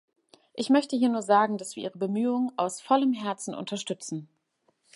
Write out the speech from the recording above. Ich möchte hier nur sagen, dass wir Ihre Bemühungen aus vollem Herzen unterstützen.